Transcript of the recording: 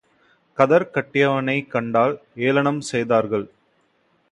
கதர் கட்டியவனைக் கண்டால் ஏளனம் செய்தார்கள்.